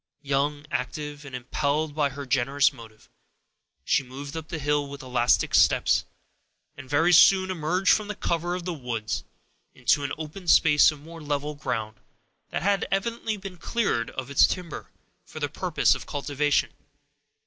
Young, active, and impelled by her generous motive, she moved up the hill with elastic steps, and very soon emerged from the cover of the woods, into an open space of more level ground, that had evidently been cleared of its timber, for the purpose of cultivation.